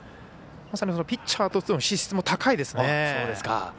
ピッチャーとしての資質も高いですね。